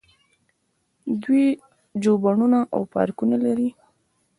دوی ژوبڼونه او پارکونه لري.